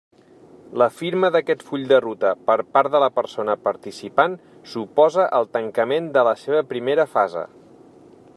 La firma d'aquest full de ruta per part de la persona participant suposa el tancament de la seva primera fase.